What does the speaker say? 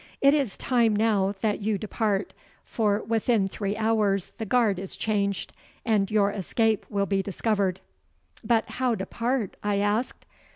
It is time now that you depart, for within three hours the guard is changed, and your escape will be discovered.' 'But how depart?' I asked.